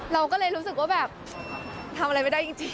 เราก็เลยรู้สึกว่าแบบทำอะไรไม่ได้จริง